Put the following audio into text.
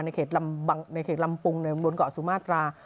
ในเขตลำปุงบนเกาะสุมาตรา